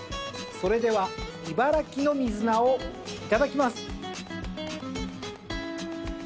それでは茨城の水菜をいただきます。